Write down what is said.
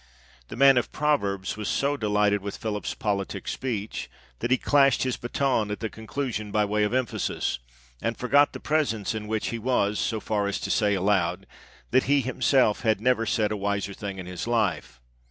The man of proverbs was so delighted with Philip's politic speech, that he clashed his baton at the conclu sion by way of emphasis, and forgot the presence in which he was, so far as to say aloud, that he himself had never said a wiser thing in his Hfe.